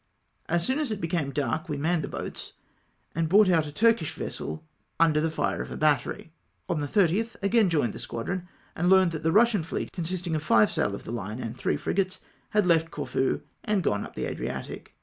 As soon as it became dark, we manned the boats and brought out a Turkish vessel under the fire of a battery. On the 3 0th again joined the squackon, and learned that the Eussian fleet, consisting of five sail of the fine and three frigates, had left Corfu and gone up the Adriatic.